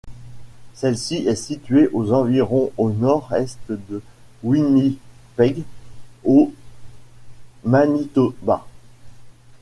Celle-ci est située à environ au nord-est de Winnipeg au Manitoba.